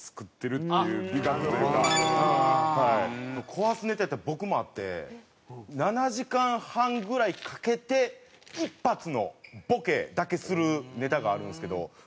壊すネタやったら僕もあって７時間半ぐらいかけて１発のボケだけするネタがあるんですけど。